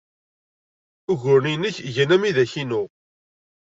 Uguren-nnek gan am widak-inu.